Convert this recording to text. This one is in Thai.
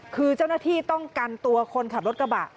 คือเจ้าหน้าที่ต้องกันตัวคนขับรถกระบะ